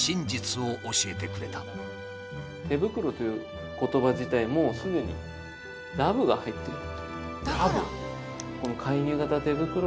手袋という言葉自体もうすでに「ＬＯＶＥ」が入ってる。